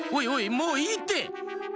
もういいって。